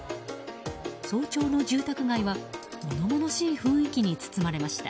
早朝の住宅街はものものしい雰囲気に包まれました。